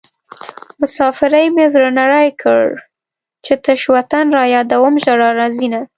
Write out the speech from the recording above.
مسافرۍ مې زړه نری کړ چې تش وطن رايادوم ژړا راځينه